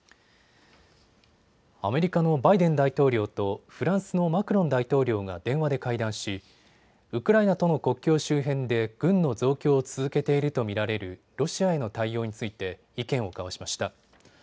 アメリカのバイデン大統領とフランスのマクロン大統領が電話で会談し、ウクライナとの国境周辺で軍の増強を続けていると見られるロシアへの対応について意見を交わしました。